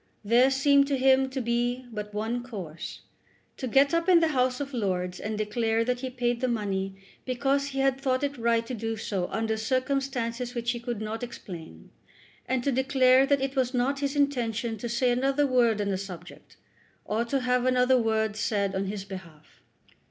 There seemed to him to be but one course, to get up in the House of Lords and declare that he paid the money because he had thought it right to do so under circumstances which he could not explain, and to declare that it was not his intention to say another word on the subject, or to have another word said on his behalf.